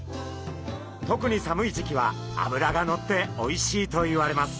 特に寒い時期はあぶらがのっておいしいといわれます。